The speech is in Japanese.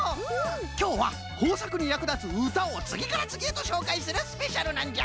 きょうはこうさくにやくだつうたをつぎからつぎへとしょうかいするスペシャルなんじゃ！